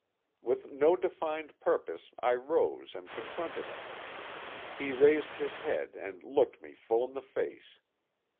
With no defined purpose I rose and confronted him. He raised his head and looked me full in the face.